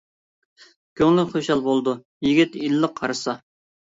كۆڭلى خۇشال بولىدۇ، يىگىت ئىللىق قارىسا.